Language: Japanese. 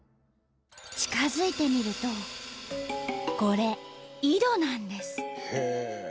近づいてみるとこれ井戸なんです。